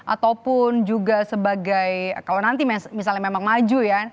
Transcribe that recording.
ataupun juga sebagai kalau nanti misalnya memang maju ya